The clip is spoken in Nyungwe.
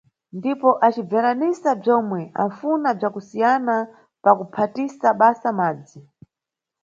Ndipo acibveranisa bzomwe anʼfuna bza kusiyana pa kuphatisa basa madzi.